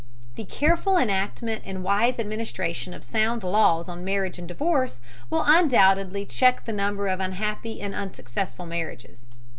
The careful enactment and wise administration of sound laws on marriage and divorce will undoubtedly check the number of unhappy and unsuccessful marriages.